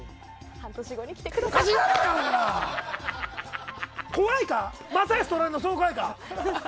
半年後に来てください。